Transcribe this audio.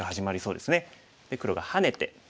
で黒がハネて。